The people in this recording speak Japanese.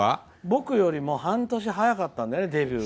僕よりもデビューが半年早かったんだよね。